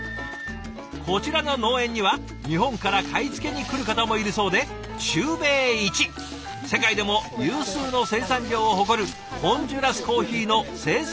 こちらの農園には日本から買い付けに来る方もいるそうで中米一世界でも有数の生産量を誇るホンジュラスコーヒーの生産